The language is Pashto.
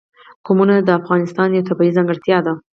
قومونه د افغانستان یوه طبیعي ځانګړتیا ده.